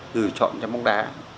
gửi chọn cho bóng đá